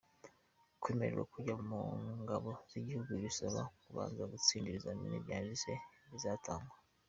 Kwemererwa kujya mu ngabo z’igihugu bisaba kubanza gutsinda ibizamini byanditse bizatangwa.